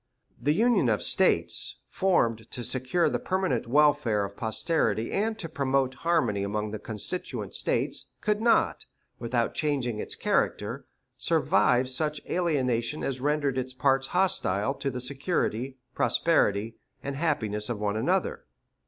The union of States, formed to secure the permanent welfare of posterity and to promote harmony among the constituent States, could not, without changing its character, survive such alienation as rendered its parts hostile to the security, prosperity, and happiness of one another.